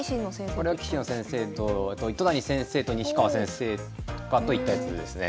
これは棋士の先生と糸谷先生と西川先生とかと行ったやつですね。